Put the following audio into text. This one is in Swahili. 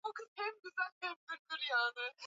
kwa njia ya magavana na wanajeshi wake